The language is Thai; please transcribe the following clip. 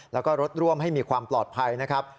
แล้วก็รถร่วมให้มีความปลอดภัยนะครับ